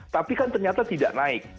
tapi kan ternyata tidak naik